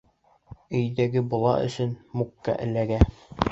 Өйҙәге бола өсөн Мукҡа эләгә.